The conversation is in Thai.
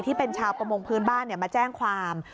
ที่เป็นชาวประมงพื้นบ้านมาแจ้งความ